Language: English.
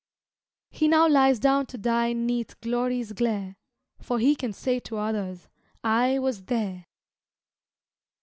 He now lies down to die 'neath glory's glare, For he can say to others, "_I was there!